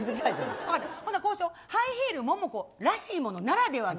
ほな、ハイヒール・モモコらしいものならではの。